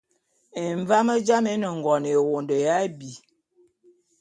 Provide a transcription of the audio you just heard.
Emvám jām é ne ngon ewondo ya abi.